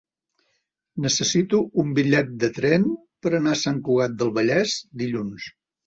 Necessito un bitllet de tren per anar a Sant Cugat del Vallès dilluns.